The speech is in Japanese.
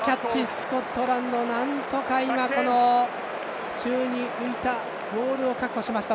スコットランド、なんとか宙に浮いたボールを確保しました。